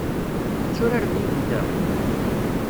Ad turarem yid-nteɣ?